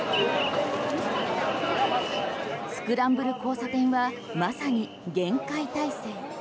スクランブル交差点はまさに厳戒態勢。